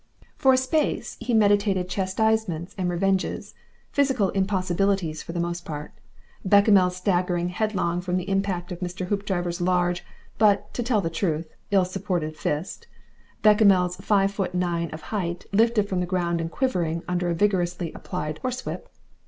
For a space he meditated chastisements and revenges, physical impossibilities for the most part, Bechamel staggering headlong from the impact of Mr. Hoopdriver's large, but, to tell the truth, ill supported fist, Bechamel's five feet nine of height lifted from the ground and quivering under a vigorously applied horsewhip.